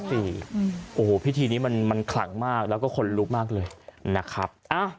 โอ้โหพิธีนี้มันขลังมากแล้วก็คนลุกมากเลยนะครับ